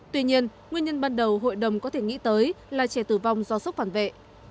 tuy nhiên nguyên nhân ban đầu hội đồng có thể nghĩ tới là trẻ tử vong do sốc phản vệ